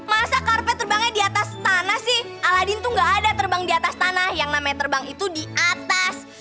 masa karpet terbangnya di atas tanah sih aladin tuh gak ada terbang di atas tanah yang namanya terbang itu di atas